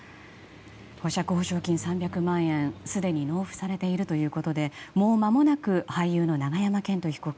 保釈保証金３００万円はすでに納付されているということでもうまもなく俳優の永山絢斗被告